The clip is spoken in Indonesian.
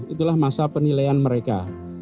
itulah masa penilaian mereka